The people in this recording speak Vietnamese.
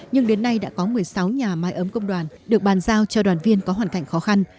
nhưng đến nay đã có một mươi sáu nhà máy ấm công đoàn được bàn giao cho đoàn viên có hoàn cảnh khó khăn